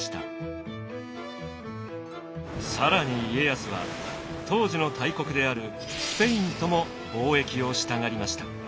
更に家康は当時の大国であるスペインとも貿易をしたがりました。